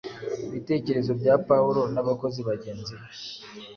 Ibitekerezo bya Pawulo n’abakozi bagenzi be